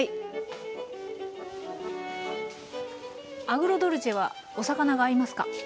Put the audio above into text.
アグロドルチェはお魚が合いますか？